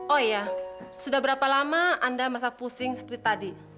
oh iya sudah berapa lama anda merasa pusing seperti tadi